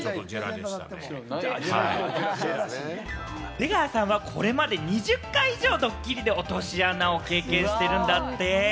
出川さんはこれまで２０回以上、ドッキリで落とし穴を経験してるんだって。